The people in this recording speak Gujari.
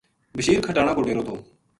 بشیر کھٹانہ کو ڈٰیرو تھو۔